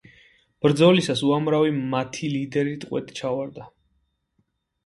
ბრძოლისას უამრავი მათი ლიდერი ტყვედ ჩავარდა.